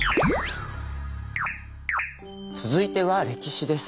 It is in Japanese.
続いては歴史です。